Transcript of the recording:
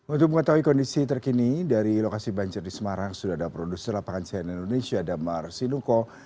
untuk mengetahui kondisi terkini dari lokasi banjir di semarang sudah ada produser lapangan cnn indonesia damar sinuko